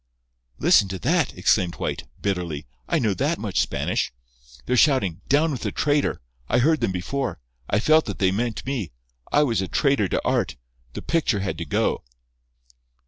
"Listen to that!" exclaimed White, bitterly: "I know that much Spanish. They're shouting, 'Down with the traitor!' I heard them before. I felt that they meant me. I was a traitor to Art. The picture had to go."